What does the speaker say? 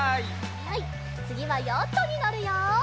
はいつぎはヨットにのるよ。